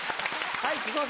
はい。